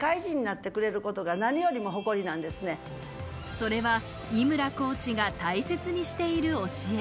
それは井村コーチが大切にしている教え。